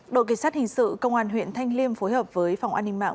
đội kỳ sát hình sự công an huyện thanh liêm phối hợp với phòng an ninh mạng